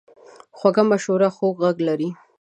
خوږه مشوره خوږ غږ لري.